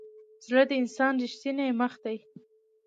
زړه د انسان ریښتینی مخ دی.